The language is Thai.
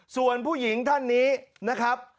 ส่วนผู้หญิงท่านนี้นะครับ